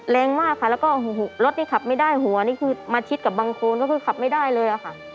แรงมากค่ะแล้วก็รถที่ขับไม่ได้หัวนี่คือมาชิดกับบังโคนก็คือขับไม่ได้เลยค่ะ